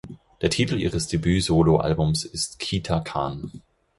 Der Titel ihres Debüt-Solo-Albums ist "Kita Kan".